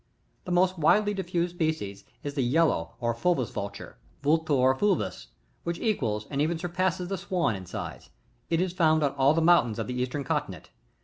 16. The most widely diffused species, is the Yellow or FuIvoub Vulturcy — Vultur fulcust — which equsds, and even surpasses the Swan in size ; it is found on all the mountains of the eastern continent 17.